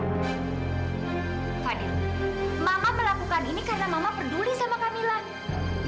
fadil mama melakukan ini karena mama peduli sama kamila